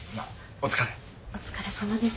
お疲れさまです。